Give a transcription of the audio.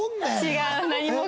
違う。